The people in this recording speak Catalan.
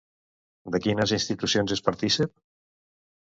De quines institucions és partícip?